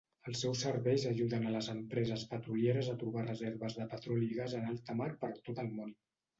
Els seus serveis ajuden a les empreses petrolieres a trobar reserves de petroli i gas en alta mar per tot el món.